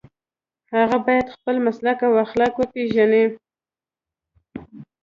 هغه باید خپل مسلک او اخلاق وپيژني.